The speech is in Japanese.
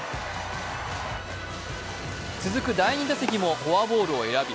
続く第２打席もフォアボールを選び